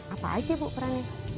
apa aja bu perannya